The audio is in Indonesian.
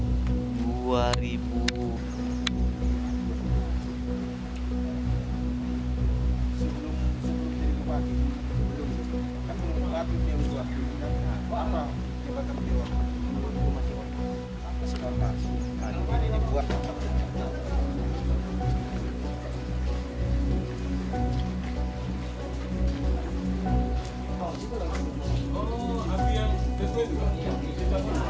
sesuai dengan entsonasi